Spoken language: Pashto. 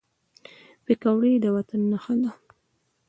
پکورې د وطن نښه ده